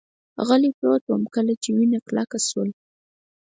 غلی پروت ووم، کله چې وینه کلکه شول.